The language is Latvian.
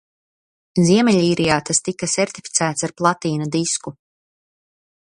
Ziemeļīrijā tas tika sertificēts ar platīna disku.